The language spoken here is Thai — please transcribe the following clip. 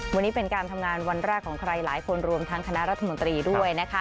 วันนี้เป็นการทำงานวันแรกของใครหลายคนรวมทั้งคณะรัฐมนตรีด้วยนะคะ